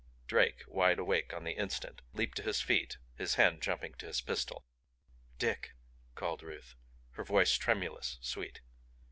Drake, wide awake on the instant, leaped to his feet, his hand jumping to his pistol. "Dick!" called Ruth, her voice tremulous, sweet.